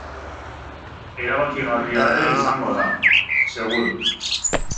Erabakigarria ere izango da, seguru.